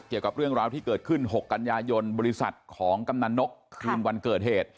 เกี่ยวกับเรื่องราวที่เกิดขึ้น๖กันยายนบริษัทของกำนันนกคืนวันเกิดเหตุ